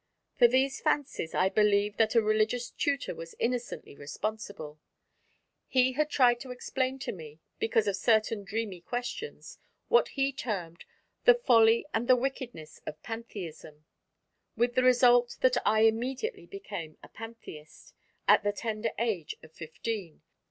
For these fancies I believe that a religious tutor was innocently responsible: he had tried to explain to me, because of certain dreamy questions, what he termed "the folly and the wickedness of pantheism," with the result that I immediately became a pantheist, at the tender age of fifteen.